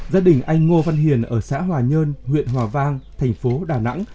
gia đình anh ngô văn hiền ở xã hòa nhơn huyện hòa vang thành phố đà nẵng